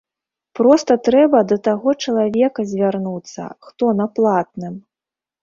Проста трэба да таго чалавека звярнуцца, хто на платным.